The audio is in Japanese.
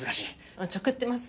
おちょくってます？